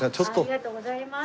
ありがとうございます。